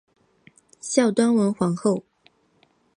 孝端文皇后。